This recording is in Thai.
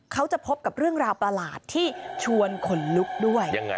เขาจะพบกับเรื่องราวประหลาดที่ชวนขนลุกด้วย